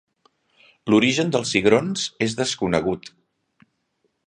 L'origen dels cigrons és desconegut.